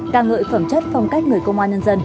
ca ngợi phẩm chất phong cách người công an nhân dân